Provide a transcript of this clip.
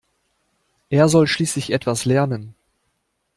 Er soll schließlich etwas lernen.